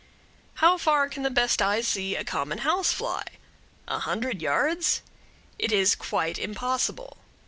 How far can the best eyes see a common house fly? A hundred yards? It is quite impossible.